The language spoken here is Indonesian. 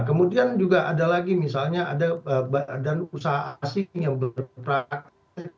kemudian juga ada lagi misalnya ada badan usaha asing yang berpraktek